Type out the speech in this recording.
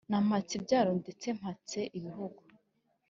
na mpatsibyaro ndetse mpatse ibihugu.